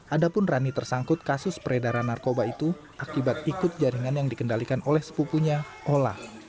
adapun rani tersangkut kasus peredaran narkoba itu akibat ikut jaringan yang dikendalikan oleh sepupunya ola